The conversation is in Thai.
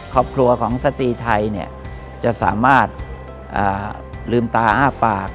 ครอบครัวของสตรีไทยเนี่ยจะสามารถลืมตาอ้าปาก